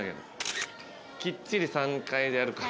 きっちり３回やるから。